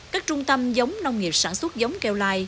các trung tâm giống nông nghiệp sản xuất giống keo lai